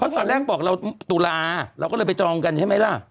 ตอนแรกบอกเราตุลาเราก็เลยไปจองกันใช่ไหมล่ะ